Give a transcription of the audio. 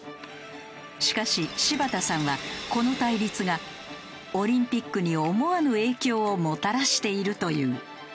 しかし柴田さんはこの対立がオリンピックに思わぬ影響をもたらしているという。